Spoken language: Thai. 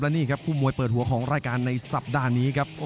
นี่ครับคู่มวยเปิดหัวของรายการในสัปดาห์นี้ครับ